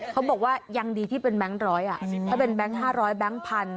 เขาบอกว่ายังดีที่เป็นแบงค์ร้อยอ่ะอืมถ้าเป็นแบงค์ห้าร้อยแบงค์พัน